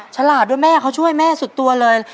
ฉลาดด้วยแม่เขาช่วยแม่สุดตัวเลย